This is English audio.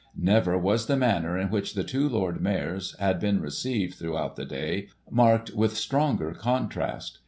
Never was the manner in which the two Lord Mayors had been received throughout the day, marked with stronger contrast.